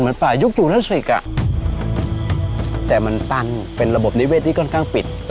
เหมือนป่ายุคจุฬสิกอ่ะแต่มันตั้งเป็นระบบนิเวศที่ค่อนข้างปิด